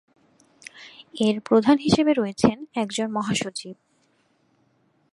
এর প্রধান হিসেবে রয়েছেন একজন মহাসচিব।